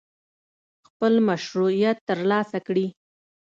خپل مشروعیت ترلاسه کړي.